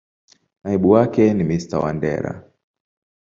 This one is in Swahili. Naibu wake ni Mr.Wandera.